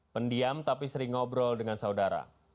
pendiam tapi sering ngobrol dengan saudara